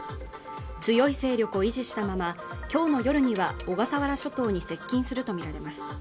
強い勢力を維持したまま今日の夜には小笠原諸島に接近すると見られます